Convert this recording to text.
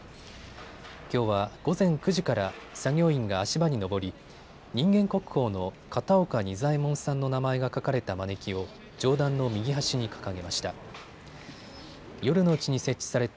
きょうは午前９時から作業員が足場に上り、人間国宝の片岡仁左衛門さんの名前が書かれたまねきを上段の右端に掲げました。